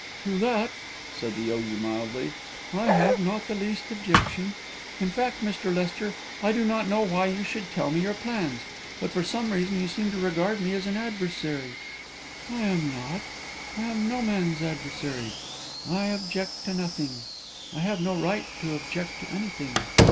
"To that," said the yogi, mildly, "I have not the least objection. In fact, Mr. Lester, I do not know why you should tell me your plans. But, for some reason, you seem to regard me as an adversary. I am not I am no man's adversary. I object to nothing; I have no right to object to anything.